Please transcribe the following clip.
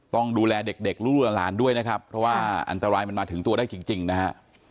ต้องดูแลเด็กลูกหลานด้วยนะครับเพราะว่าอันตรายมันมาถึงตัวได้จริงนะฮะ